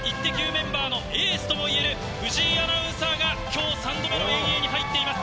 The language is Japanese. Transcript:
メンバーのエースともいえる藤井アナウンサーが、きょう、３度目の遠泳に入っています。